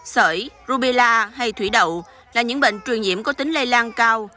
sởi rubella hay thủy đậu là những bệnh truyền nhiễm có tính lây lan cao